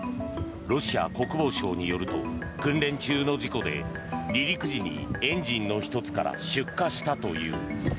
ロシア国防省によると訓練中の事故で離陸時にエンジンの１つから出火したという。